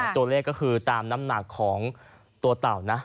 ตัวเลขก็คือตามน้ำหนักของตัวเต่านะ